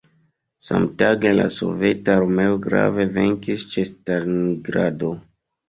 Samtage la soveta armeo grave venkis ĉe Stalingrado.